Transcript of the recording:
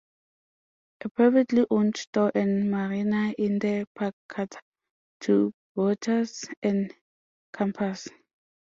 A privately owned store and marina in the park cater to boaters and campers.